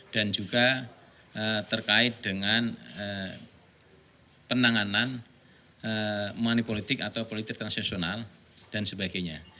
dan juga terkait dengan penanganan mani politik atau politik transaksional dan sebagainya